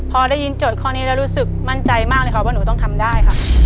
พอได้ยินโจทย์ข้อนี้แล้วรู้สึกมั่นใจมากเลยค่ะว่าหนูต้องทำได้ค่ะ